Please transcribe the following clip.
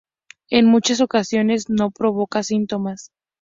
En muchas ocasiones no provoca síntomas.